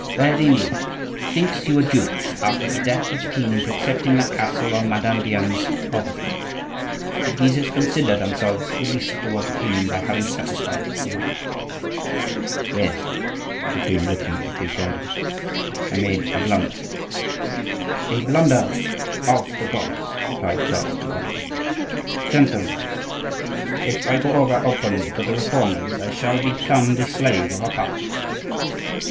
"Very nearly. He thinks you were duped after the death of the king into accepting that castle on Madame Diane's overthrow. The Guises consider themselves released toward the queen by having satisfied the woman." "Yes," said the queen, looking at the two Gondi, "I made a blunder." "A blunder of the gods," replied Charles de Gondi. "Gentlemen," said Catherine, "if I go over openly to the Reformers I shall become the slave of a party."